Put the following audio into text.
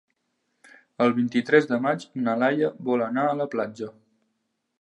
El vint-i-tres de maig na Laia vol anar a la platja.